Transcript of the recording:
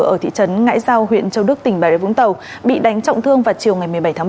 ở thị trấn ngãi giao huyện châu đức tỉnh bà rế vũng tàu bị đánh trọng thương vào chiều ngày một mươi bảy tháng ba